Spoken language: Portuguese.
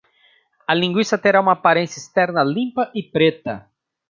A linguiça terá uma aparência externa limpa e preta.